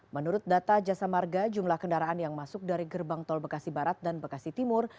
menurut data jasa marga jumlah kendaraan yang masuk dari gerbang tol bekasi barat dan bekasi timur